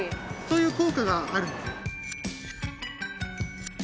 そういう効果があるんです。